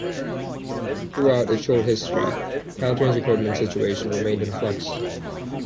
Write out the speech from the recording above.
Throughout its short history CalTrain's equipment situation remained in flux.